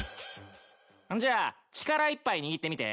じゃあ力いっぱい握ってみて。